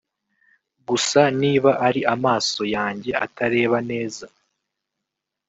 Gusa niba ari amaso yanjye atareba neza